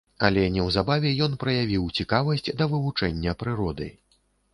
Але неўзабаве ён праявіў цікавасць да вывучэння прыроды.